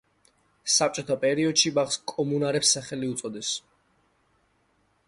საბჭოთა პერიოდში ბაღს კომუნარების სახელი უწოდეს.